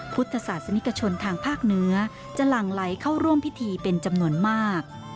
พุทธศาสนิกชนทางภาคเหนือจะหลั่งไหลเข้าร่วมพิธีเป็นจำนวนมาก